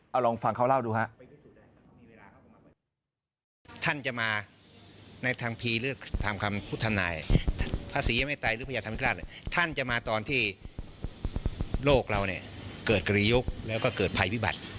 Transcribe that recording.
เอาลองฟังเขาเล่าดูฮะ